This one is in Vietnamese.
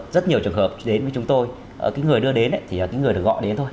rất nhiều trường hợp đến với chúng tôi cái người đưa đến thì những người được gọi đến thôi